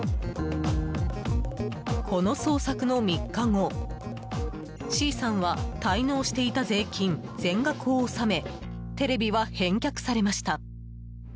この捜索の３日後Ｃさんは滞納していた税金全額を納めテレビは返却されました。